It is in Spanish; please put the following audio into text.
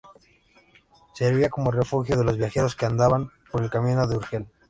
Servía como refugio de los viajeros que andaban por el camino de Urgel.